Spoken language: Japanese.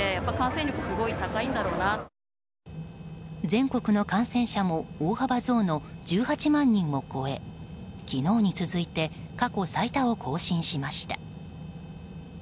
全国の感染者数も大幅増の１８万人を超え昨日に続いて過去最多を更新しました。